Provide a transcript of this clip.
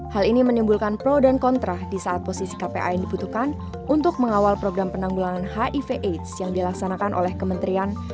hal ini menimbulkan pro dan kontra di saat posisi kpa yang dibutuhkan untuk mengawal program penanggulangan hiv aids yang dilaksanakan oleh kementerian